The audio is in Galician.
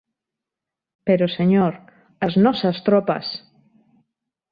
Pero señor, as nosas tropas!